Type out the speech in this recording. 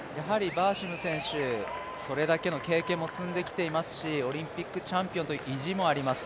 バーシム選手、それだけの経験を積んできていますしオリンピックチャンピオンという意地もあります。